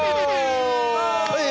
はい！